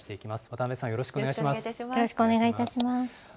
渡部さん、よろしくお願いいたします。